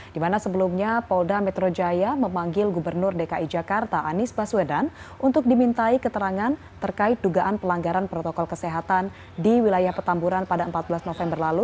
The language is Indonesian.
di mana sebelumnya polda metro jaya memanggil gubernur dki jakarta anies baswedan untuk dimintai keterangan terkait dugaan pelanggaran protokol kesehatan di wilayah petamburan pada empat belas november lalu